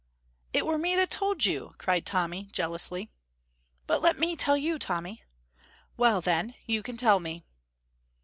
"It were me what told you," cried Tommy, jealously. "But let me tell you, Tommy!" "Well, then, you can tell me."